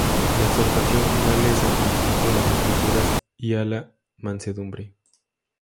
La exhortación final es al conocimiento de las Escrituras y a la mansedumbre.